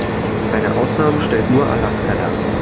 Eine Ausnahme stellt nur Alaska dar.